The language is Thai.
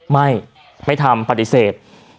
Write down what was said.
ไม่ไม่ทำปฏิเสธ